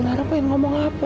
tadi lara pengen ngomong apa